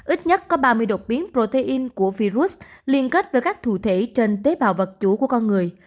ít nhất có ba mươi đột biến protein của virus liên kết với các thủ thể trên tế bào vật chủ của con người